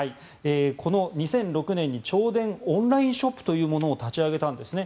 ２００６年に銚電オンラインショップを立ち上げたんですね。